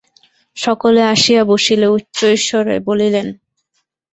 সকলে আসিয়া বসিলে উচ্চৈঃস্বরে বলিলেন।